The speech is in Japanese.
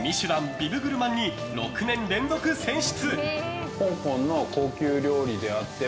ビブグルマンに６年連続選出！